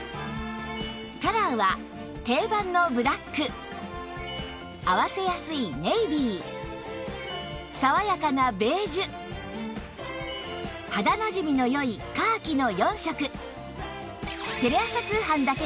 カラーは定番のブラック合わせやすいネイビー爽やかなベージュ肌なじみのよいカーキの４色